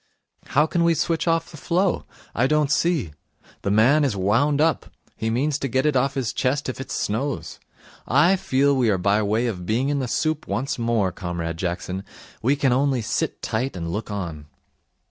'How can we switch off the flow? I don't see. The man is wound up. He means to get it off his chest if it snows. I feel we are by way of being in the soup once more, Comrade Jackson. We can only sit tight and look on.'